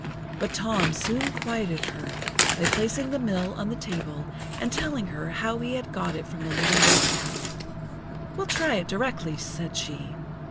But Tom soon quieted her by placing the mill on the table and telling her how he had got it from the Little Redcap. "We'll try it directly," said she.